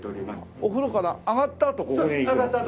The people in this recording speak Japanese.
お風呂から上がったあとここに行くの？